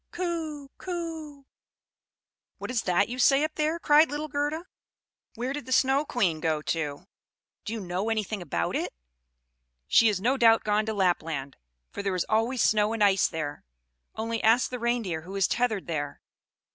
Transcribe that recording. Coo! Coo!" "What is that you say up there?" cried little Gerda. "Where did the Snow Queen go to? Do you know anything about it?" "She is no doubt gone to Lapland; for there is always snow and ice there. Only ask the Reindeer, who is tethered there."